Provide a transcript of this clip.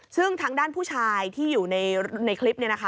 ซึ่งทางด้านผู้ชายที่อยู่ในคลิปนี้นะคะ